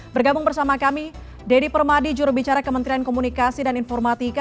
bergabung bersama kami dedy permadi juru bicara kementerian komunikasi dan informatika